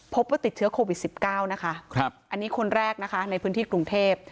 พบว่าติดเชื้อโควิด๑๙นะคะอันนี้คนแรกนะคะในพื้นที่กรุงเทพ